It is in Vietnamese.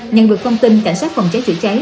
nhân vực thông tin cảnh sát phòng cháy chữa cháy